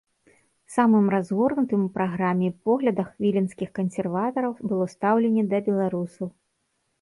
Самым разгорнутым у праграме і поглядах віленскіх кансерватараў было стаўленне да беларусаў.